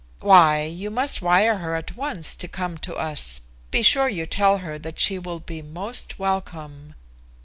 "Why, you must wire her at once to come to us. Be sure you tell her that she will be most welcome."